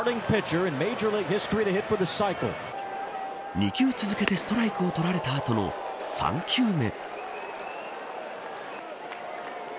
２球続けてストライクを取られた後の３球目。